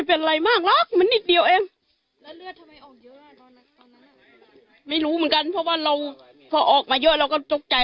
พอออกมาเยอะเราก็ตกใจ